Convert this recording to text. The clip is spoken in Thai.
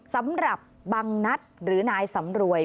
สำหรับบังนัดหรือนายสำรวย